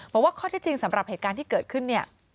บอกว่าข้อที่จริงสำหรับเหตุการณ์ที่เกิดขึ้นเนี่ย